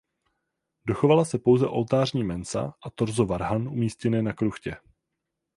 Dochovala se pouze oltářní mensa a torzo varhan umístěné na kruchtě.